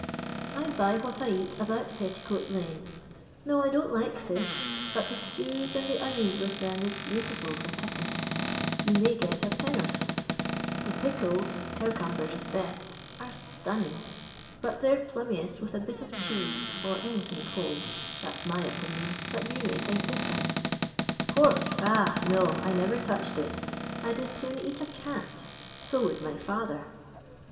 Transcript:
I buy what I eat about Tetticoat lane. No, I don't like fish, but the stews, and the onions with them is beautiful for two pence ; Toa may get a pennor'th. The pickles — cowcnm bers is best are stunning. But tney 're plummicst with a bit of cheese or anything cold — that 's mr opinioo, bnt you may think di^rent Pork 1 Ah J Nc^ I never touched it; I 'd as soon eat a eat ; fo wonld my fiither.